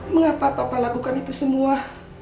mengapa papa lakukan itu semua